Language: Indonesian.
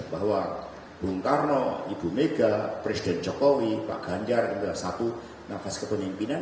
bahwa bung karno ibu mega presiden jokowi pak ganjar adalah satu nafas kepemimpinan